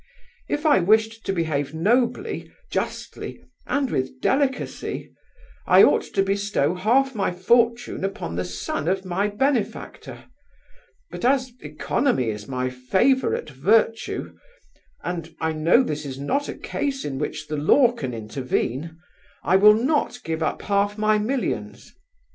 If I wished to behave nobly, justly, and with delicacy, I ought to bestow half my fortune upon the son of my benefactor; but as economy is my favourite virtue, and I know this is not a case in which the law can intervene, I will not give up half my millions.